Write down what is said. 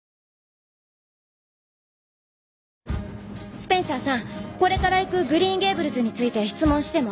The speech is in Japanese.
スペンサーさんこれから行くグリーン・ゲイブルズについて質問しても？